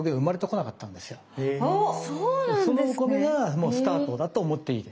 そのお米がもうスタートだと思っていいです。